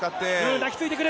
抱きついてくる。